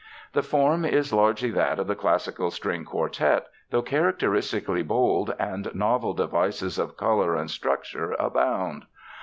The form is largely that of the classical string quartet, though characteristically bold and novel devices of color and structure abound.